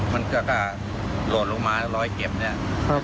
มันก็โหลดลงมาแล้วรอยเก็บเนี่ย